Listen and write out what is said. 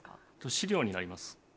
飼料になります